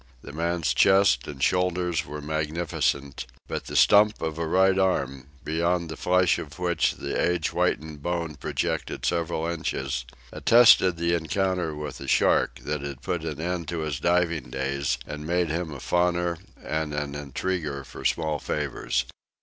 The man's chest and shoulders were magnificent, but the stump of a right arm, beyond the flesh of which the age whitened bone projected several inches, attested the encounter with a shark that had put an end to his diving days and made him a fawner and an intriguer for small favors.